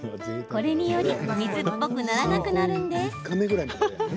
これにより水っぽくならなくなるんです。